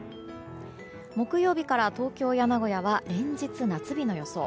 木曜日から東京や名古屋は連日夏日の予想。